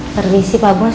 permisi pak bos